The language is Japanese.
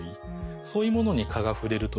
そういうものに蚊が触れるとですね